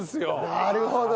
なるほど！